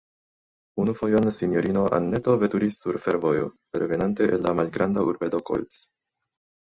Unu fojon sinjorino Anneto veturis sur fervojo, revenante el la malgranda urbeto Kolz.